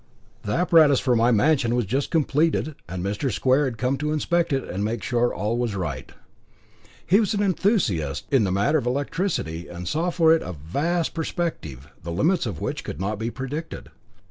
The apparatus for my mansion was but just completed, and Mr. Square had come to inspect it and make sure that all was right. He was an enthusiast in the matter of electricity, and saw for it a vast perspective, the limits of which could not be predicted.